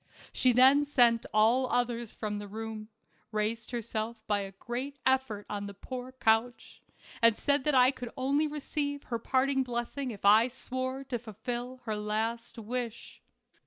She then sent all others from the room, raised herself by a great effort on her poor couch, and said that I could only receive her parting blessing if I swore to fulfill her last wish.